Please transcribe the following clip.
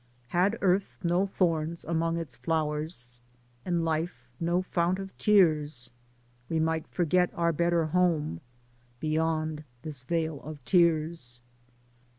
"Had earth no thorns among its flowers, And life no fount of tears, We might forget our better home Beyond this vale of tears."